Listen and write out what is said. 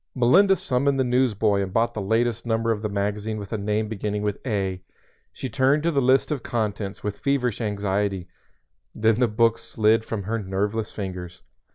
Melinda summoned the newsboy and bought the latest number of the magazine with a name beginning with "A." She turned to the list of "Contents" with feverish anxiety, then the book slid from her nerveless fingers.